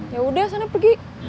yaudah sana pergi